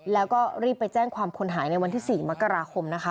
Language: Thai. แล้วก็รีบไปแจ้งความคนหายในวันที่๔มกราคมนะคะ